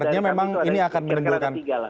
artinya memang ini akan menimbulkan